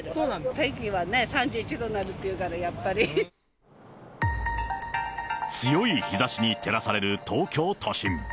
天気、３１度になるっていうから、強い日ざしに照らされる東京都心。